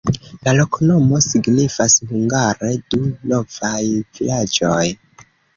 La loknomo signifas hungare: Du-novaj-vilaĝoj.